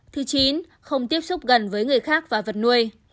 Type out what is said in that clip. thứ chín không tiếp xúc gần với người khác và vật nuôi